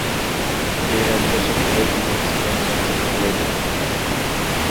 এর এক বছর পরেই তিনি স্পেন জাতীয় দলে ডাক পান।